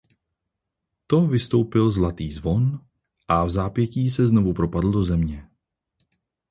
To vystoupil zlatý zvon a vzápětí se znovu propadl do země.